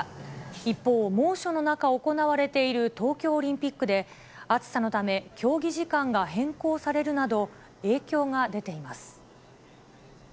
一方、猛暑の中、行われている東京オリンピックで、暑さのため、競技時間が変更されるなど、影響が出ています。